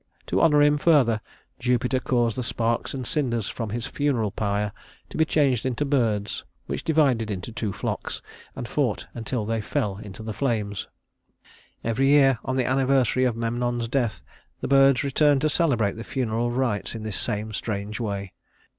To honor him further, Jupiter caused the sparks and cinders from his funeral pyre to be changed into birds, which divided into two flocks and fought until they fell into the flames. Every year, on the anniversary of Memnon's death, the birds returned to celebrate the funeral rites in this same strange way.